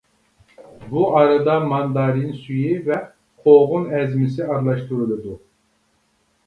بۇ ئارىدا ماندارىن سۈيى ۋە قوغۇن ئەزمىسى ئارىلاشتۇرۇلىدۇ.